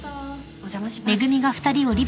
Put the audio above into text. お邪魔します。